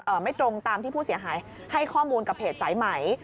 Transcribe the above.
ไม่ตรงตามที่ผู้เสียหายให้ข้อมูลกับเพจสายไหม